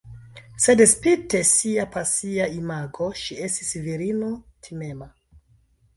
Sed spite sia pasia imago, ŝi estis virino timema.